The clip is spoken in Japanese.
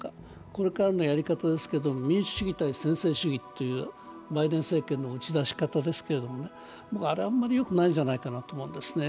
これからのやり方ですけれども、民主主義対専制主義というバイデン政権の打ち出し方ですけれども、あれはあんまりよくないと思うんですね。